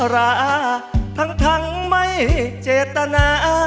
ราทั้งไม่เจตนา